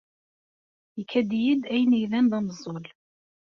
Ikad-iyi-d d ayen yellan d ameẓẓul.